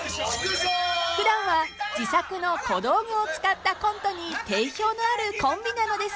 ［普段は自作の小道具を使ったコントに定評のあるコンビなのですが］